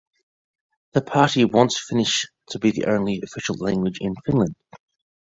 The party wants Finnish to be the only official language in Finland.